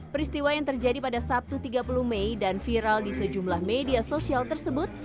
peristiwa yang terjadi pada sabtu tiga puluh mei dan viral di sejumlah media sosial tersebut